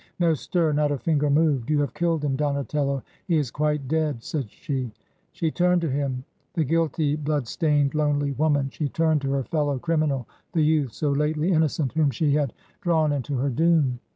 ... No stir; not a finger moved I 'You have killed him, Donatello! He is quite dead!' said she. ... She turned to him — the guilty, blood stained, lonely woman — she turned to her feUow criminal, the youth, so lately innocent, whom she had drawn into her doom.